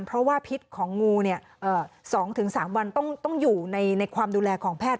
เพราะว่าพิษของงู๒๓วันต้องอยู่ในความดูแลของแพทย์